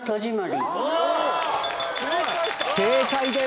正解です！